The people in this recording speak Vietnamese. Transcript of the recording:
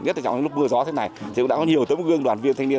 nhất trong lúc mưa gió thế này thì cũng đã có nhiều tấm gương đoàn viên thanh niên